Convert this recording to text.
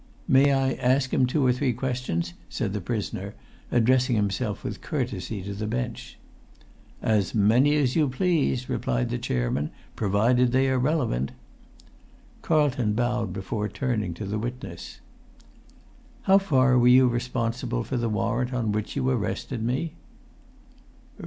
"May I ask him two or three questions?" said the prisoner, addressing himself with courtesy to the bench. "As many as you please," replied the chairman, "provided they are relevant." Carlton bowed before turning to the witness. "How far were you responsible for the warrant on which you arrested me?"